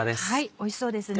おいしそうですね。